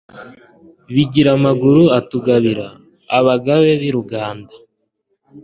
Mugira amaguru atugabira, Abagabe b'i Ruganda